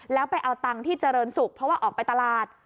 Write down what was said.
แล้วไปเอาตังค์ที่เจริญศุกร์เพราะว่าออกไปตลาด